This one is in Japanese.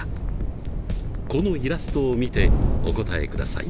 このイラストを見てお答えください。